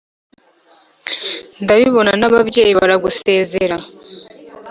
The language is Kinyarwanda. ndabibona n’ababyeyi baragusezera